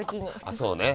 あそうね。